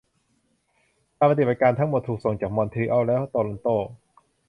การปฏิบัติการทั้งหมดถูกส่งจาก มอนทรีอัล และ โตรอนโต